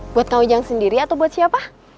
buat kang ujang sendiri atau buat siapa